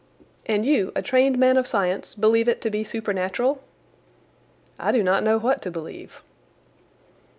"And you, a trained man of science, believe it to be supernatural?" "I do not know what to believe."